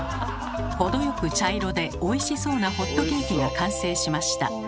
程よく茶色でおいしそうなホットケーキが完成しました。